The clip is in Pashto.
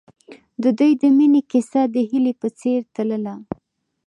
د دوی د مینې کیسه د هیلې په څېر تلله.